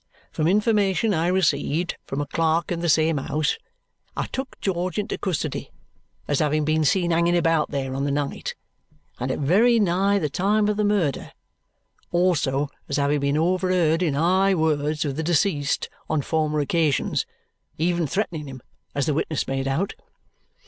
From information I received (from a clerk in the same house) I took George into custody as having been seen hanging about there on the night, and at very nigh the time of the murder, also as having been overheard in high words with the deceased on former occasions even threatening him, as the witness made out.